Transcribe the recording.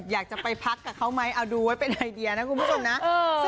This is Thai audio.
อยากจะไปพักกับเขาไหมเอาดูไว้เป็นไอเดียนะคุณผู้ชมนะ